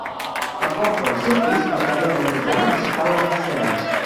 La porta del seu pis esdevé una muntanya que separa dos oceans.